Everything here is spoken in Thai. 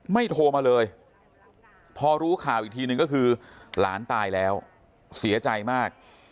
โทรมาเลยพอรู้ข่าวอีกทีนึงก็คือหลานตายแล้วเสียใจมาก